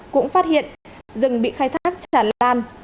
cũng phát hiện rừng bị khai thác tràn lan